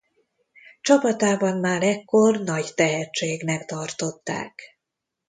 Csapatában már ekkor nagy tehetségnek tartották.